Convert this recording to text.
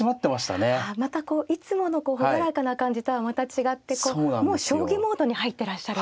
またこういつもの朗らかな感じとはまた違ってもう将棋モードに入ってらっしゃるっていう。